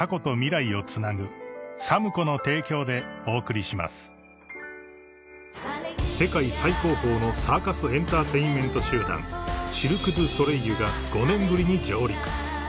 新しくなった［世界最高峰のサーカス・エンターテインメント集団シルク・ドゥ・ソレイユが５年ぶりに上陸］